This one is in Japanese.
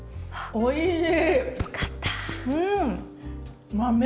おいしい。